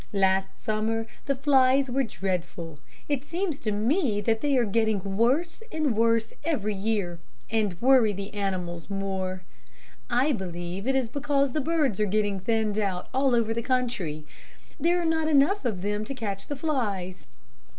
Last summer the flies here were dreadful. It seems to me that they are getting worse and worse every year, and worry the animals more. I believe it is because the birds are getting thinned out all over the country. There are not enough of them to catch the flies.